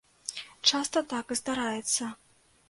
Часта так і здараецца.